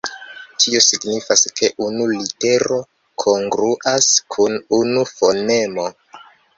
Tio signifas ke unu litero kongruas kun unu fonemo.